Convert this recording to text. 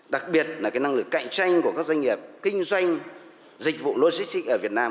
đặc biệt là năng lực cạnh tranh của các doanh nghiệp kinh doanh dịch vụ logistics ở việt nam